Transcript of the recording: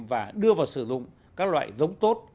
và đưa vào sử dụng các loại giống tốt